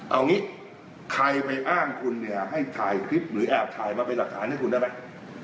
เอางี้ใครไปอ้างคุณเนี่ยให้ถ่ายคลิปหรือแอบถ่ายมาเป็นหลักฐานให้คุณได้ไหม